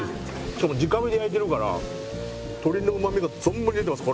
しかも直火で焼いてるから鶏のうまみが存分に出てます